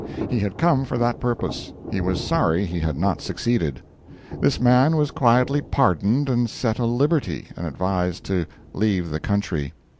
He had come for that purpose; he was sorry it had not succeeded. This man was quietly pardoned and set a liberty, and advised to leave the country.